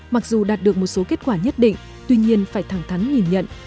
mặc dù đạt được một số kết quả nhất định tuy nhiên phải thẳng thắn nhìn nhận